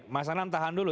mas anam tahan dulu